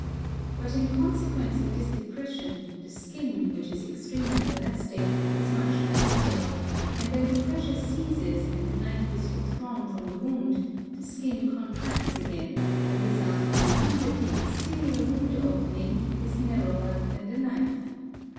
But in consequence of this depression, the skin, which is extremely elastic, is much dilated, and when the pressure ceases and the knife is withdrawn from the wound, the skin contracts again, the result being that the exterior wound open ing is narrower than the knife.